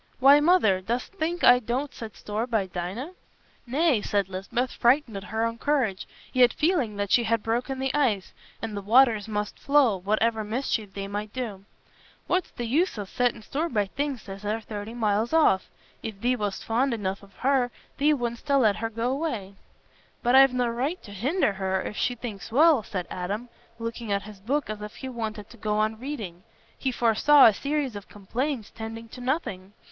"Why, Mother, dost think I don't set store by Dinah?" "Nay," said Lisbeth, frightened at her own courage, yet feeling that she had broken the ice, and the waters must flow, whatever mischief they might do. "What's th' use o' settin' store by things as are thirty mile off? If thee wast fond enough on her, thee wouldstna let her go away." "But I've no right t' hinder her, if she thinks well," said Adam, looking at his book as if he wanted to go on reading. He foresaw a series of complaints tending to nothing.